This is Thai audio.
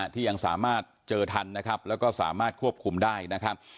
ที่ยังสามารถเจอทันนะครับแล้วก็สามารถควบคุมได้นะครับ